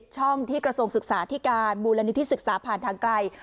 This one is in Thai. ช่องที่กระทรวงศึกษาที่การมูลนิธิศึกษาผ่านทางไกล